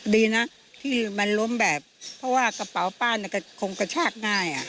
ดีนะที่มันล้มแบบเพราะว่ากระเป๋าป้าก็คงกระชากง่าย